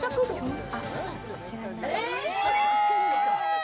こちらになりますええー！